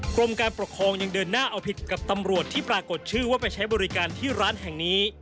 กรมการปกครองยังเดินหน้าเอาผิดกับตำรวจที่ปรากฏชื่อว่าไปใช้บริการที่ร้านแห่งนี้